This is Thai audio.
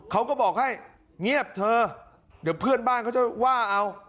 เขาก็บอกให้เงียบเธอเดี๋ยวเพื่อนบ้านเขาจะว่าเอา